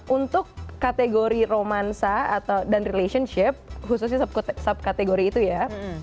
untuk kategori romansa dan relationship khususnya subkategori itu ya